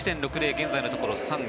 現在のところ３位。